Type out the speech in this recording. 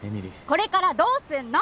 これからどうすんの！